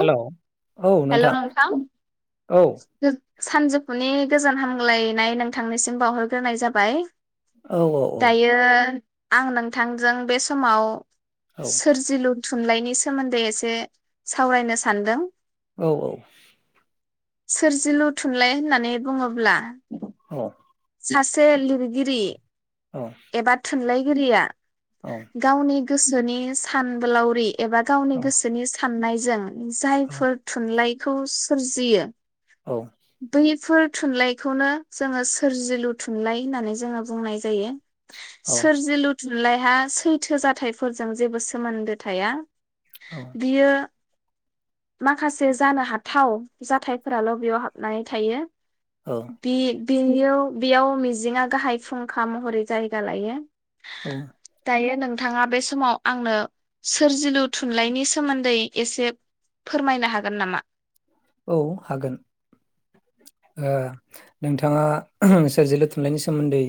Hello औ नोंथां। औ [unintelligible] सानजौफुनि गोजोन हामग्लायनाय नोंथांनिसिम बावहरग्रोनाय जाबाय। औ औ औ दायो आं नोंथांजों बे समाव औ सोरजिलु थुनलाइनि सोमोन्दै एसे सावरायनो सानदों। औ औ। सोरजिलु थुनलाइ होननानै बुङोब्ला औ। सासे लिरगिरि औ एबा थुनलाइ गिरिया औ गावनि गोसोनि सानबोलाावरि एबा गावनि गोसोनि साननायजों जायफोर थुनलाइखौ सोरजियो औ बेैफोर थुनलाइखौनो जोङो सो सोरजिलु थुनलाइ होननानै जोङो बुंनाय जायो। सोरजिलु थुनलायहा सैथो जाथायाइफोरजों जेबो सोमोन्दो थाया बियो माखासे जानो हाथाव जाथायफोराल' बेयाव हाबनानै थायो। बि बे याव बेयाव मिजिंआ गाहाय फुंखा महरै जायगा लायो। औ दायो नोंथाङा बे समाव आंनो सोरजिलु थुनलाइनि सोमोन्दै एसे फोरमायनो हागोन नामा? औ हागोन ओ नोंथाङा [unintelligible] सोरजिलु थुनलाइनि सोमोन्दै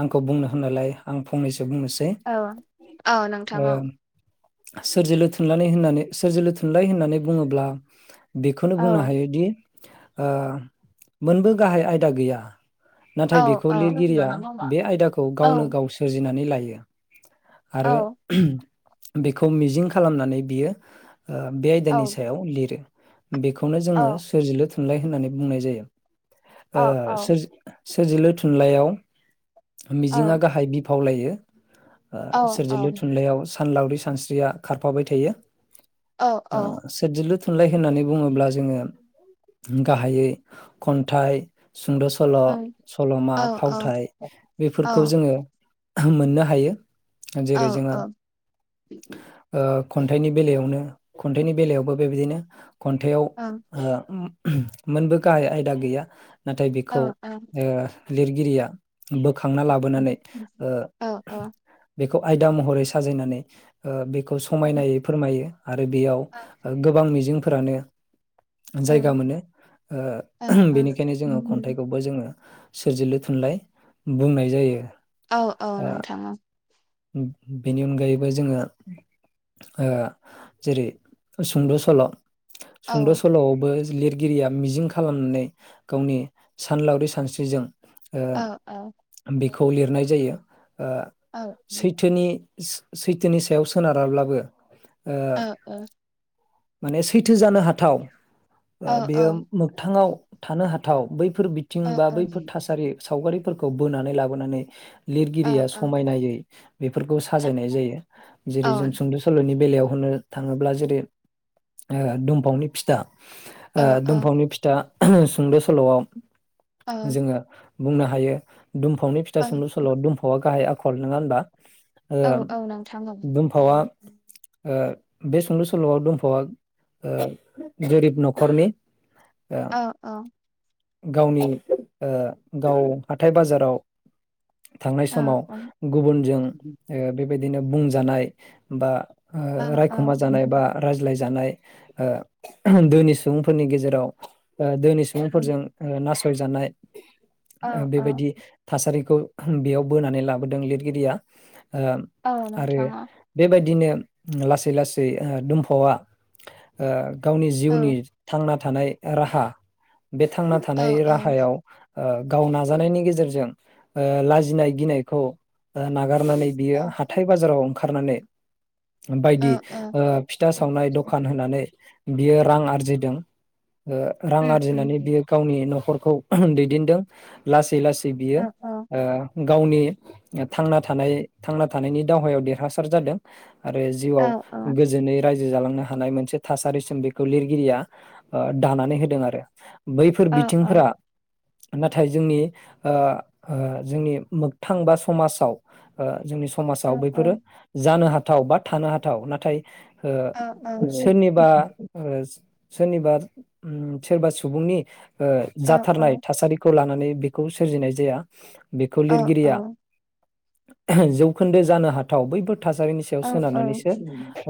आंखौ बुंनो होननालाय आं फंनैसो बुंनोसै औ औ नोंथां ओ औ सोरजिलु थुनलाइ होननानै सोरजिलु थुनलाइ होननानै बुङोब्ला बेखौनो औ बुंनो हायोदि ओ मोनबो गाहाय आयदा गैया। औ नाथाय बेखौ लिरगिरिया बे आयदाखौ औ गावनो गाव सोरजिनानै लायो। [unintelligible] आरो औ [unintelligible] बेखौ मिजिं खालामनानै बियो बे आयदानि औ सायाव लिरो। बेखौनो औ जोङो सोरजिलु थुनलाइ होननानै बुंनाय जायो। औ ओ औ सोर सोर सोरजिलु थुनलाइयाव औ मिजिंआ गाहाय बि खावलायो। ओ औ औ सोरजिलु थुनलाइयाव सानलावरि सानस्रिया खारफाबाय थायो। ओं औ ओ सोरजिलु थुनलाइ होननानै बुङोब्ला जोङो गाहायै खन्थाइ, सुंद' सल', सल'मा औ औ फावथाय बेफोरखौ ओं जोङो मोननो हायो। औ जेरै औ जोंङो ओ खन्थाइनि बेलायावनो खन्थाइनि बेलायावबो बेबायदिनो खन्थाइआव ओ मोनबो गाहाय आयदा गैया। नाथाय बेखौ औ ओं ओ लिर गिरिया बोखांना लाबोनानै ओं बेखौ आयदा महरै साजायनानै आ बे खौ समायनायै फोरमायो। आरो बेयाव गोबां मिजिं फोरानो जायगा मोनो। ओ ओं बेनिखायनो जोङो खन्थाइखौबो जोङो सोरजिलु थुनलाइ बुंनाय जायो। औ औ ओ नोंथां औ। बेनि अनगायैबो जोङो ओ जेरै सुंद' सल'। औ सुंद' सल'आवबो लिरगिरिया मिजिं खालामनानै गावनि सानलावरि सानस्रिजों औ ओं बे खौ लिरनाय जायो। ओ सैथोनि सैथोनि सायाव सोनाराब्लाबो ओ औ औ। माने सैथो जानो हाथाव बा बेयो मोगथाङाव थानो हा थाव बै फोर बिथिं औ बा औ औ बैफोर थासारि सावगारि फोरखौ बोनानै लाबोनानै लिरगिरिया औ औ समायनायै। बेफोरखौ साजायनाय जायो औ जेरै जों सुंद' सल'नि बेलायाव होननो थाङोब्ला जेरै ओ दुमफावनि फिथा ओ औ दुमफावनि फिथा सुंद' सल'आव। जोङो। बुंनो हायो। दुमफावनि फिथा सुंद' सल' दुफावआ गाहाय आ खल नोङा होमबा? ओ औ नोंथां औ दुमफावा ओ बे सुंद' सल'आव दुमफावा गोरिब न'खरनि ओ औ। गावनि ओ गाव हाथाय बाजाराव थांनाय समाव गुबुनजों ओ औ बे बेबायदिनो बुंजानाय बा ओ रायखुमा जानाय बा रायज्लाय जानाय। ओ दोनि सुबुंफोरनि गेजेराव ओ दोनि सुबुंफोरजों ओ नासयजानाय। औ ओ औ बेबायदि थासारिखौ बेयाव बोनानै लाबोदों लिरगिरिया। ओ औ आरो नोंथाङा बेबायदिनो लासै लासै ओ दुमफावा ओ गावनि औ जिउनि थांना थानाय राहा बे थांना औ थानाय औ राहायाव ओ गाव नाजानायनि गेजेरजों लाजिनाय ओ गिनायखौ ओ नागार नानै बियो औ हाथाय बाजाराव खारनानै औ बायदि औ ओ फिथास सावनाय दखान होनानै बियो रां आरजिदों। ओ रां उम उम आरजिनानै बियो गावनि न'खर खौ दैदेनदों लासै लासै थि औ बियो ओ गावनि ओब थांना थानाय थांना थानायनि दावहायाव देरहासार जादों। आरो औ जिउआव औ गोजोनै राज्य जोजालांनो हानाय मोनसे थासारिसिम बेखौ लिरगिरिया ओ दानानै होदों आरो बैफोर औ औ बिथिंफोरा नाथाय जोंनि ओ ओ जोंनि मोगथां बा स समाजाव ओ जोंनि औ समाजाव औ बैफोरो जानो हाथ थाव बा थानो हाथाव नाथाय ओ औ सोरनिबा ओस सोरनिबा उम सोरबा सुबुंनि ओ औ जाथारनाय थासारिखौ लानानैब बेखौ सोरजिनाय जाया। बेखौ लिरगिरिया जौखोन्दो जानो हाथाव बैफोर थासारिनि सायाव सोनारनानैसो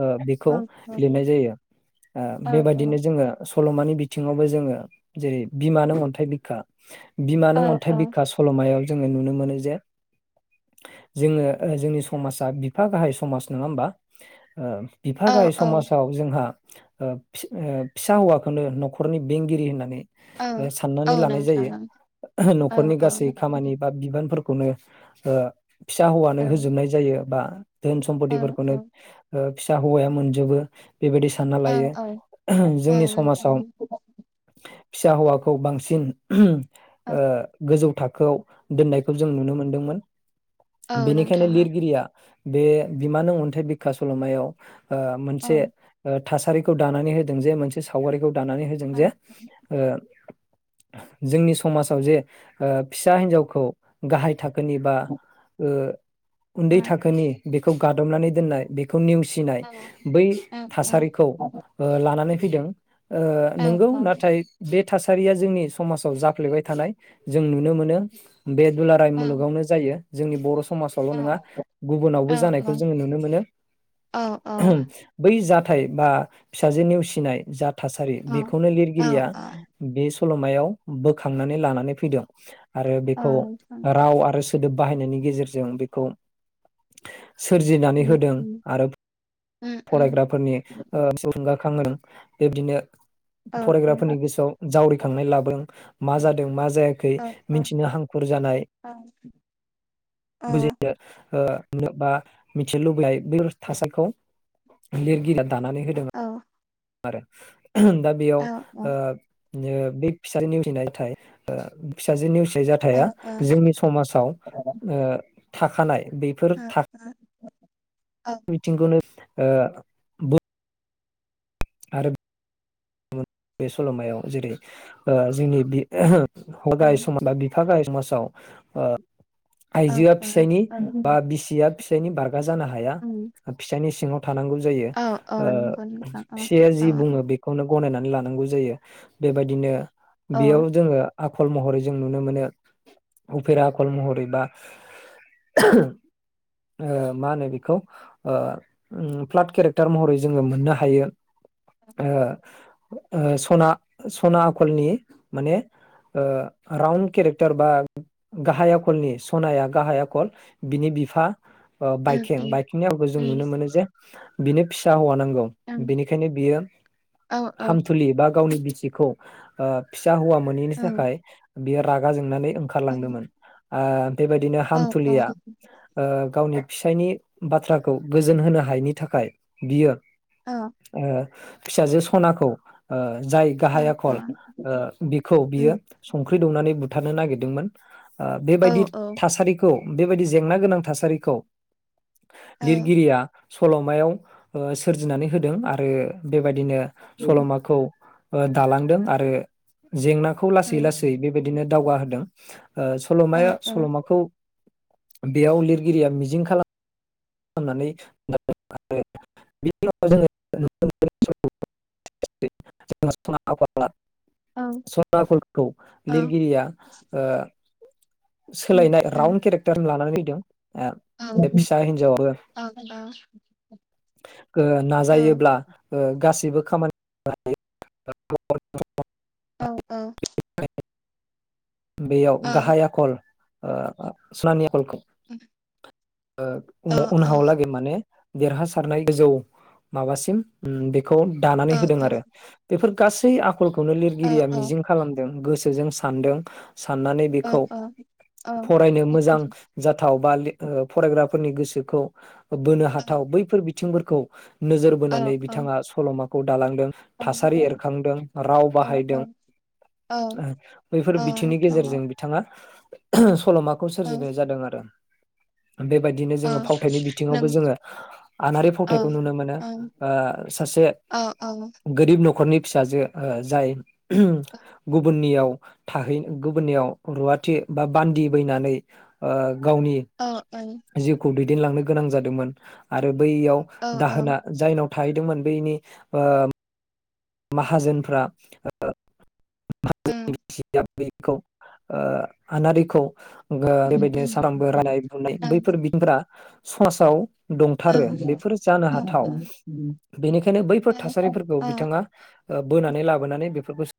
ओ बेखौ लिरनाय जायो ओ औ बेबायदिनो जोङो स सल'मानि बिथिङावबो जोङो जेरै बिमा नों अन्थाइ बिखा बिमा नों अन्थाइ बिखा सल'मायाव जोङो नुनो मोनो जे जोङो ओ जोंनि समाजा बिफा गाहाय समाज नङा ओमबा ओ बिफा गाहाय समाजाव जोंहा ओ फि-फिसा हौवाखौनो न'खरनि बेंगिरि होननानै औ ओ औ साननानै लानाय नोंथां जायो ओं औ न'खरनि गासै खामानि बा बिबानफोर खौनो ओ फिसा हौवानो औ औ होजोबनाय जायो बा धोन औ सम्पतिफोरखौनो ओ फिसा हौवाया मोनजोबो। बेबायदि सानना लायो औ औ जोंनि समाजाव फिसा हौवाखौ बांसिन ओ औ गोजौ था खौ दोननायखौ जों नुनो मोनदोंमोन। औ बेनिखायनो नोंथां लिरगिरिया बे बिमा नों अन्थाइ बिखा सल'मायाव ओ औ नोंथां औ मोनसे ओ थासारिखौ दानानै होदों जे मोनसे सावगारिखौ लानानै होजोंजों औ जे ओ जोंनि समाजाव जे ओ फिसा हिनजावखौ गाहाय थाखोनि बा [inaudible] बो उन्दै थाखोनि बेखौ गादबनानै दोननाय बेखौ नेवसिनाय औ बै औ थासारिखौ ओ लानानै फैदों। ओ नोंगौ नाथाय बे थासारिया जोंनि समाजाव जाफ्लेबाय थानाय जों नुनो मोनो। बे दुलाराय मुलुगावनो जायो। जोंनि बर' स समाजावल' नोङा गुबुनावबो जानायखौ जोङो नुनो मोनो औ औ बै जा थाय बा फिसाजो नेवसिनाय जा थासारि औ बेखौनो औ लिरगिरिया बे सल'मायाव बोखांनानै लानानै फैदों आरो औ बेखौ नोंथां राव आरो सो सोदोब बाहायनायनि गेजेरजों बेखौ सोरजिनानै उम होदों उम आरो उम फरायग्राफोरनि ओ थुलुंगा खांहोदों बेबदिनो औ फरायग्राफोरनि गोसोआव जावरिखांनाय लाबो मा जादों मा ज जायाखै औ औ मिथिनो हांखुर जानाय औ औ बुजियो ओ बा मिथिनो लुबैनाय बैफोर थासारिखौ लिरगि दानानै ओ होदोंमोन। आरो ओम दा बेयाव ओ ओ बे फिसाज निउस हैनायथाय फिसाजो निउसि ओ जाथाया औ जोंनि समाजाव ओ थाखानाय बेफोर थाख बिथिंकौनो ओ बो बे सल'मायाव जेरै ओ जोंनि बे [unintelligible] औ फिफा गाहाय समासाव ओ आइजोआ औ फिसायनि बा बिसिया फिसायनि बार गा जानो हाया उम फिसानि सिङाव थानांगौ जायो औ औ नंगौ ओ नोंथां औ फिसाया औ जि बुङो बेखौनो गनायनानै ला नांगौ जायो बेबायदिनो बेयाव औ जोङो आखल महरै जों नुनो मोनो उफेरा आखल महरै बा ओ मा होनो बेखौ प्लाट केरेक्टार महरै जोङो मोननो हायो। ओ ओ सना सना आखलनि माने ओ राउन्ड केरेक्टार बा गाहाय आखलनि सनाया गाहाय आखल बिनि बिफा ओ उम बाइकिं उम बाइकिंनि आवखौ जों नुनो मोनो जे बिनो फिसा हौव नां औ उम बिनिखायनो बियो। हामथुलि बा। गावनि बिसिखौ ओ। फिसा हौवा मोनैनि उम थाखाय। बेयो रागा जोंनानै। ओंखारलांदोंमोन ओ। औ बेबायदिनो औ उम औ हामथुलिया ओ गावनि। फिसायनि बाथ्राखौ गोजोन होनो हायिनि थाखाय बियो ओ। फिसाजो। सनाखौ ओ। जाय गाहाय आखल ओ बिखौ उम बियो संख्रि दौनानै बु थानो नागिरदोंमोन। ओ बेबायदि उम थासारिखौ। बेबायदि जेंना गोनां थासारिखौ। लिरगिरिया। सलमायाव सोरजिनानै होदों आरो बेबायदिनो। स'माखौ दालांदों आरो। जेंनाखौ लासै लासै बेबायदिनो दावगाहोदों ओ सलमाया सलमाखौ। बेयाव लिरगिरिया मिजिं खालाम होननानै [inaudible] [inaudible] फोरखौ लिरगिरिया ओ सोलायनाय राउन केरेक्टार लानानै फैदों। ओ बे फिसा हिन्जावआबो। औ औ ओ औ नाजायोब्ला ओ गासै जेबो खामानि मावनो [inaudible] औ औ। बेयाव औ गाहाय आखल। ओ [inaudible] आखलखौ। उम। ओ उनहाव लागै माने देरहासारनाय गोजौ माबासिम औ दानानै होदों औ आरो बेफोर गासै आ कलखौनो औ लिरगिरिया मिजिं खालामदों। गोसोजों सानदों। साननानै औ बेखौ औ फरायनो मोजां जाथाव बा फरायग्रा। फोरनि गोसोखौ। बोनो हाथाव बैफोर बिथिंफोरखौ। खौ नोजोर औ बोनानै औ नोंथां बिथाङा औ सल'मा। दालांदों औ नों औ थासारि ओं एरखांदों राव औ औ बाहायदों, ओं बैफोर औ नि औ गेजेरजों बिथांङा [unintelligible] सलमाखौ ओं सोरजिनाय जादों आरो बेबायदिनो जोंङो फावथायनि बिथिङावबो जोंङो आनारि फावथायखौ नुनो मोनो ओं सासे गोरिब नखरनि फिसाजो ओ जाय गुबुननियाव थाहै गुबुननियाव रुवाथि बा बान्दि बैनानै ओ गावनि ओ जिउखौ देन लांनो गोनां जादोंमोन आरो बैयाव दाहोना जायनाव थाहैदोंमोन बेनि ओ माहाजोनफ्रा ओम बेखौ ओ आनारिखौ बेबायदिनो सारांबो रायनाय बुनाय बैफोर बिदिंफोरा समाजाव दंथारो बेफोरो जानो हाथाव बेनिखायनो बैफोर थासारिफोरखौ ओ बिथांङा बोनानै लाबोनानै बेफोर [unintelligible]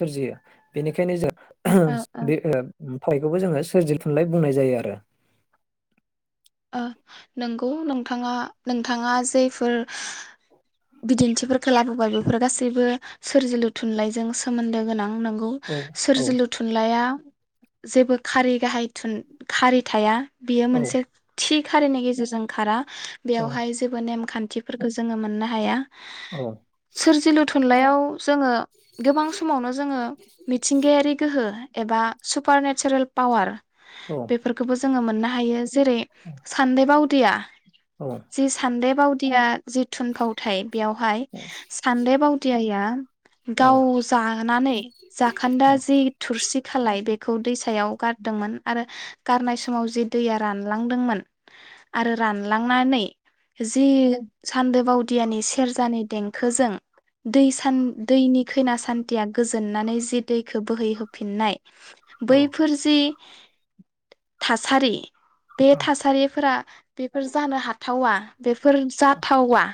सोरजियो बेनिखायनो जों ओ [unintelligible] बयखौबो जोंङो सोरजिल थुनलइ बुंनाय जायो आरो ओ नंगौ नोंथाङा नोंथाङा जेफोर बिदिन्थिफोरखौ लाबोबाय बेफोर गासैबो सोरजिलु थुनलाइजों सोमोन्दो गोनां। नंगौ औ औ सोरजिलु थुनलाइया जेबो खारि गाहाय थुन खारि थाया बियो औ मोनसे थि खारिनि गेजेरजों खारा औ बेयावहाय जेबो नेमखान थिफोरखौ जोंङो मोननो हाया औ सोरजिलु थुनलाइयाव जोंङो गोबां समावनो जोंङो मिथिंगायारि गोहो एबा सुपार नेचारेल पावार बेफोरखौबो जोङो मोनना हायो जेरै सान्दोबाउ दिया औ जि सान्देब बावदिया जि थुनफावथाय बेयावहाय सान्दो बावदियाया गाव जानानै जाखोन्दा जि थुरसि खालाय बेखौ दैसायाव गारदोंमोन आरो गारनाय समाव जे दैया रान लांदोंमोन आरो रानलांनानै जि सान्दो बावदियानि सेरजानि देंखोजों दै सान दैनि खैना सान्थिया गोजोननानै जि दैखौ बोहैहोफिननाय औ बैफोर जि थासारि बे औ थासारिफोरा बेफोर जानो हाथावा। बेफोर जाथावा।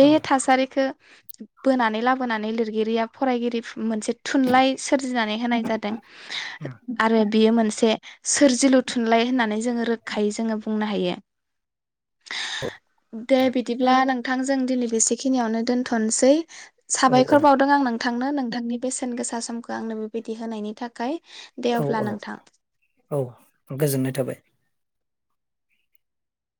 औ थासारिखो बोनानै लाबोनानै खायै जोङो बुंनो हायो। दे बिदिब्ला नोंथांजों दिनै बेसेखिनियावनो दोनथ'नसै। औ साबायखर बावदों आं नोंथांनो नों थांनि बेसेन गोसा समखौ आंनो बेबायदि होनायनि थाखाय। दे अब्ला नोंथां औ-औ-औ गोजोननाय थाबाय।